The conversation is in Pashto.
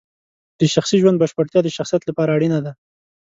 د شخصي ژوند بشپړتیا د شخصیت لپاره اړینه ده.